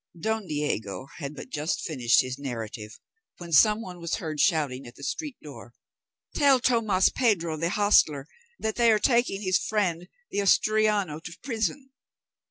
Don Diego had but just finished his narrative when some one was heard shouting at the street door, "Tell Tomas Pedro, the hostler, that they are taking his friend the Asturiano to prison."